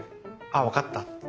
「あ分かった。